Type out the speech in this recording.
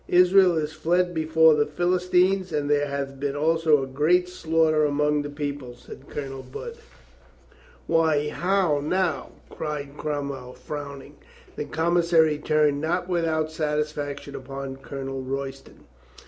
"Israel is fled be fore the Philistines and there hath been also a great slaughter among the people," said Colonel Budd. 271 372 COLONEL GREATHEART "Why, how now !" cried Cromwell, frowning. The commissary turned not without satisfaction upon Colonel Royston.